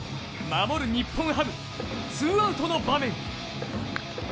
守る日本ハム、ツーアウトの場面。